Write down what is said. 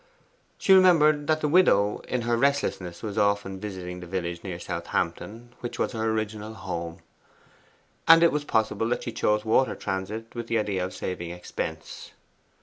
She remembered that the widow in her restlessness was often visiting the village near Southampton, which was her original home, and it was possible that she chose water transit with the idea of saving expense.